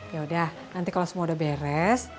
ya udah nanti kalau semua udah beres